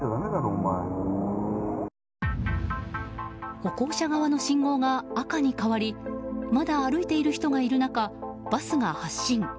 歩行者側の信号が赤に変わりまだ歩いている人がいる中バスが発進。